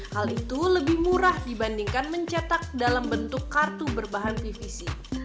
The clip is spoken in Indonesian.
hal itu lebih murah dibandingkan mencetak dalam bentuk kartu berbahan pvc